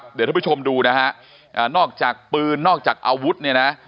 เดี๋ยวท่านผู้ชมดูนะฮะนอกจากปืนนอกจากอาวุธเนี่ยนะ